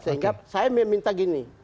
sehingga saya meminta gini